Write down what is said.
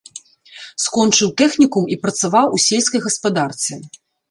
Скончыў тэхнікум і працаваў у сельскай гаспадарцы.